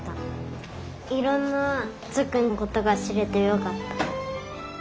いろんなつっくんのことがしれてよかった。